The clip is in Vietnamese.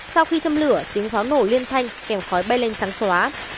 sau khi châm lửa tiếng pháo nổ liên thanh kèm khói bay lên trắng xóa